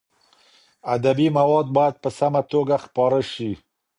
ادبي مواد باید په سمه توګه خپاره شي.